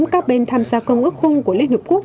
các bên tham gia công ước khung của liên hợp quốc